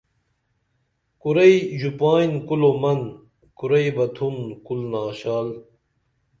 کُرئی ژوپائین کُلومن کُرئی بہ تُھن کُل ناشال